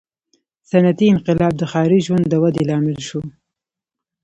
• صنعتي انقلاب د ښاري ژوند د ودې لامل شو.